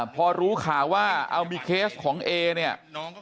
พอรู้ข่าวว่าเอามีเคสของเอเนี่ย